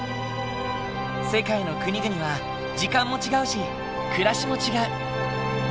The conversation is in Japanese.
世界の国々は時間も違うし暮らしも違う。